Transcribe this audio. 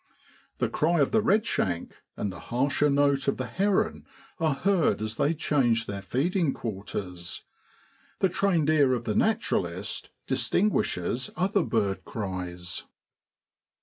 The cry of the redshank and the harsher note of the heron are heard as they change their feeding quarters. The trained ear of the naturalist distinguishes other bird cries.